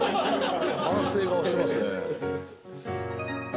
反省顔してますね。